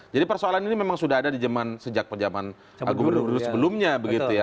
jadi persoalan ini memang sudah ada di jaman sejak penjaman gubernur sebelumnya begitu ya